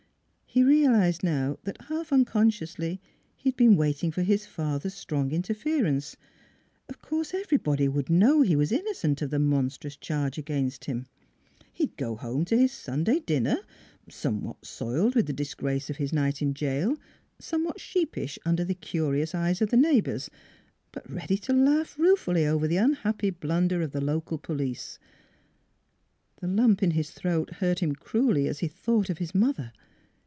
He realized now that half unconsciously he had been waiting for his father's strong interference: of course everybody would know he was innocent of the monstrous charge against him. He would go home to his Sunday dinner, somewhat soiled with the disgrace of his night in jail, somewhat sheep 320 NEIGHBORS ish under the curious eyes of the neighbors, but ready to laugh ruefully over the unhappy blunder of the local police. The lump in his throat hurt him cruelly as he thought of his mother.